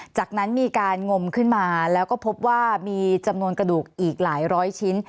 จากนั้นมีการงมขึ้นมาแล้วก็พบว่ามีจำนวนกระดูกอีกหลายร้อยชิ้น